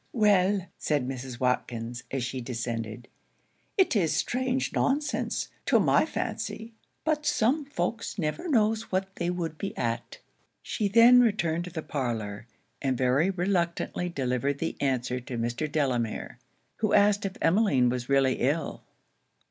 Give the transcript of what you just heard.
'Well,' said Mrs. Watkins, as she descended, 'it is strange nonsense, to my fancy; but some folks never knows what they would be at.' She then returned to the parlour, and very reluctantly delivered the answer to Mr. Delamere; who asked if Emmeline was really ill?